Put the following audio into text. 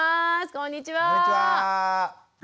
こんにちは。